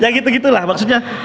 ya gitu gitu lah maksudnya